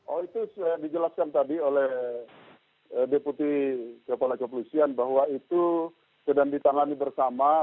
oh itu sudah dijelaskan tadi oleh deputi kepala kepolisian bahwa itu sedang ditangani bersama